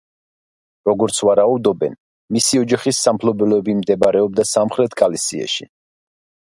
როგორც ვარაუდობენ მისი ოჯახის სამფლობელოები მდებარეობდა სამხრეთ გალისიაში.